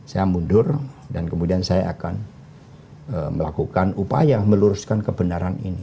saya mundur dan kemudian saya akan melakukan upaya meluruskan kebenaran ini